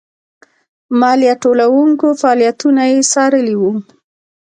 مالیه ټولوونکو فعالیتونه یې څارلي وو.